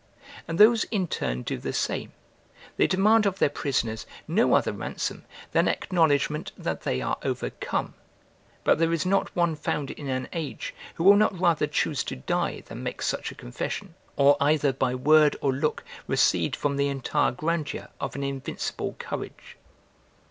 And those in turn do the same; they demand of their prisoners no other ransom, than acknowledgment that they are overcome: but there is not one found in an age, who will not rather choose to die than make such a confession, or either by word or look recede from the entire grandeur of an invincible courage.